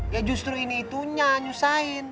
ya justru ini itunya nyusahin